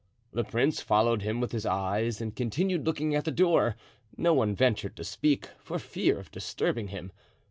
The prince followed him with his eyes and continued looking at the door; no one ventured to speak, for fear of disturbing him.